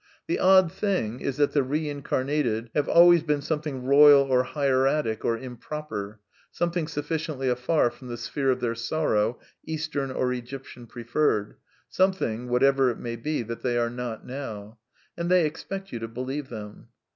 (The odd thing is that the Eeincamated have always been something royal or hieratic or improper; something sufficiently afar from the sphere of their sorrow, Eastern or Egyptian preferred ; something, whatever it may be, that they are not now.) And they ex pect you to believe them.